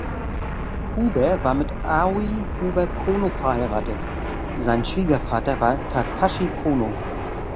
Huber war mit Aoi Huber-Kono verheiratet, sein Schwiegervater war Takashi Kono.